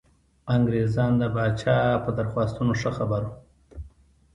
انګرېزان د پاچا په درخواستونو ښه خبر وو.